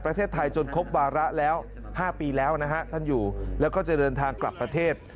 ประเทศไทยจนครบวาระแล้ว๕ปีแล้วนะฮะท่านอยู่แล้วก็จะเดินทางกลับประเทศ